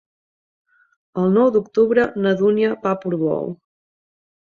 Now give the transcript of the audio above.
El nou d'octubre na Dúnia va a Portbou.